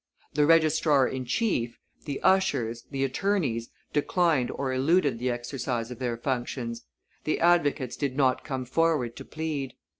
The registrar in chief, the ushers, the attorneys, declined or eluded the exercise of their functions; the advocates did not come forward to plead.